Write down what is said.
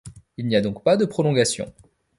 Il n'y a donc pas de prolongation.